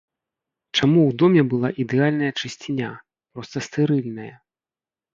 Чаму ў доме была ідэальная чысціня, проста стэрыльная?